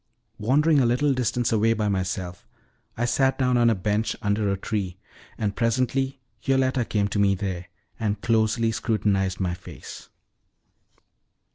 Wandering a little distance away by myself, I sat down on a bench under a tree, and presently Yoletta came to me there, and closely scrutinized my face.